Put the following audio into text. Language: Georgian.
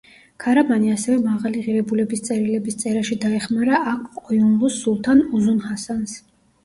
ქარამანი ასევე მაღალი ღირებულების წერილების წერაში დაეხმარა აყ-ყოიუნლუს სულთან უზუნ-ჰასანს.